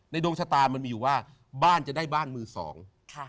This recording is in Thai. ในโดมชาตามันมีอยู่ว่าบ้านจะได้บ้านมือสอง